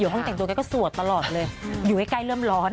ห้องแต่งตัวแกก็สวดตลอดเลยอยู่ใกล้เริ่มร้อน